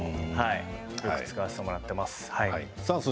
よく使わせてもらっています。